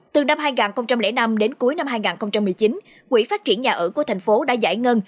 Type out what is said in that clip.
từ năm hai nghìn năm đến cuối năm hai nghìn một mươi chín quỹ phát triển nhà ở của thành phố đã giải ngân